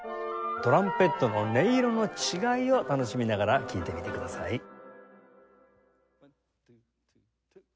トランペットの音色の違いを楽しみながら聴いてみてください。